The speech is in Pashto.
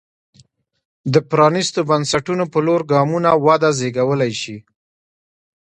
د پرانېستو بنسټونو په لور ګامونه وده زېږولی شي.